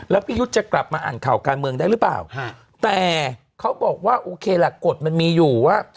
แล้วพี่ยุทธ์จะกลับมาอ่านข่าวการเมืองได้หรือเปล่าแต่เขาบอกว่าโอเคล่ะกฎมันมีอยู่ว่า